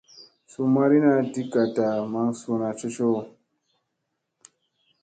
Suu mariina di gaɗta maŋ suuna cocoo.